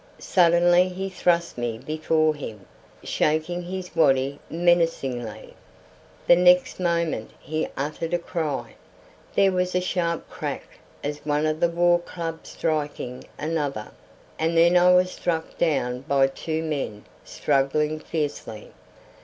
Suddenly he thrust me before him, shaking his waddy menacingly. The next moment he uttered a cry. There was a sharp crack as of one war club striking another, and then I was struck down by two men struggling fiercely.